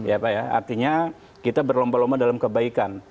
artinya kita berlomba lomba dalam kebaikan